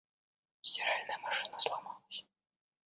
Стиральная машина сломалась.